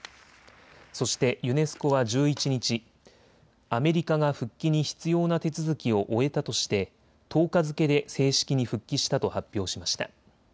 そしてユネスコは１１日、アメリカが復帰に必要な手続きを終えたとして１０日付けで正式に復帰したと発表しました。